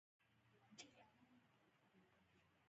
افغانستان د کلتور له پلوه له نورو هېوادونو سره اړیکې لري.